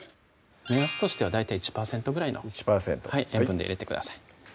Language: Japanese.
目安としては大体１％ぐらいの塩分で入れてください